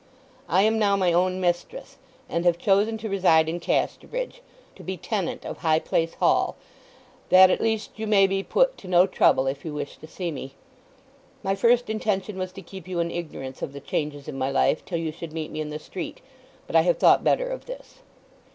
"I am now my own mistress, and have chosen to reside in Casterbridge—to be tenant of High Place Hall, that at least you may be put to no trouble if you wish to see me. My first intention was to keep you in ignorance of the changes in my life till you should meet me in the street; but I have thought better of this.